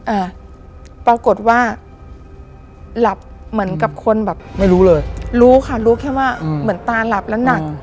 อ่าปรากฏว่าหลับเหมือนกับคนแบบไม่รู้เลยรู้ค่ะรู้แค่ว่าเหมือนตาหลับแล้วหนัก